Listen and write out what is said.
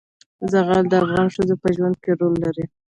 زغال د افغان ښځو په ژوند کې رول لري.